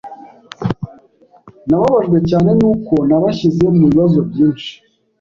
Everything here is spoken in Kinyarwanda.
Nababajwe cyane nuko nabashyize mubibazo byinshi.